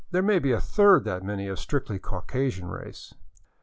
There may be a third that many of strictly Caucasian race.